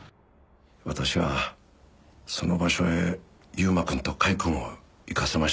私はその場所へ悠馬くんと甲斐くんを行かせました。